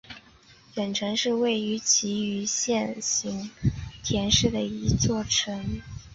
忍城是位在崎玉县行田市的一座城。